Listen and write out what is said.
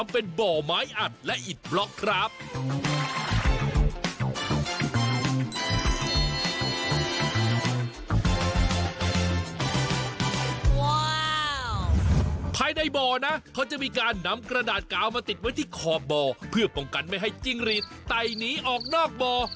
ภายในบ่อนะเขาจะมีการนำกระดาษกาวมาติดไว้ที่ขอบบ่อเพื่อป้องกันไม่ให้จิ้งรีดไต่หนีออกนอกบ่อ